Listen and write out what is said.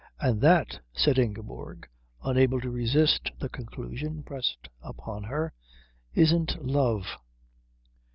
"And that," said Ingeborg, unable to resist the conclusion pressed upon her, "isn't love."